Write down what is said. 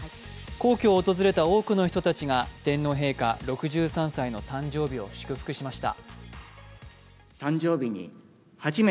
皇居を訪れた多くの人たちが天皇陛下６３歳の誕生日を祝福しました。